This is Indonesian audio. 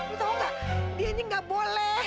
lu tau ga dia ini ga boleh